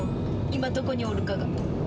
今どこにおるかが。